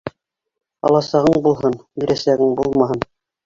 Аласағың булһын, бирәсәгең булмаһын.